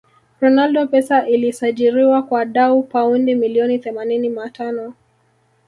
ronaldo pesa ilisajiriwa kwa dau paundi milioni themanini ma tano